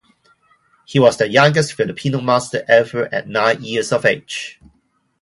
He was the youngest Filipino master ever, at nine years of age.